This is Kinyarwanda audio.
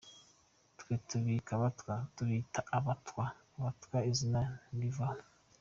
Twe tubita Abatwa, ni Abatwa izina ntirivaho.